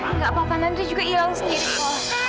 enggak apa apa nanti juga hilang sendiri